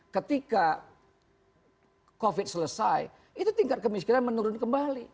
ketika covid selesai itu tingkat kemiskinan menurun kembali